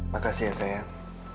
makasih rather sayang